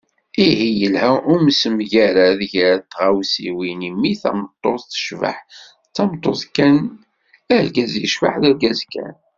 Ihi, yelha usemgarad gar tɣawsiwin, imi tameṭṭut tecbeḥ d tameṭṭut kan, argaz yecbeḥ d argaz kan.